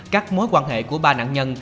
các mối quan hệ của ba nạn nhân